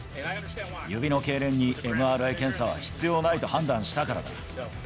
指のけいれんにＭＲＩ検査は必要ないと判断したからだ。